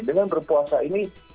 dengan berpuasa ini